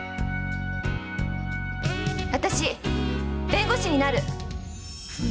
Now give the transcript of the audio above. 私弁護士になる！